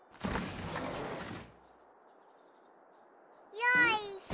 よいしょ！